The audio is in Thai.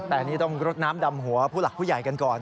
แต่นี่ต้องรดน้ำดำหัวผู้หลักผู้ใหญ่กันก่อน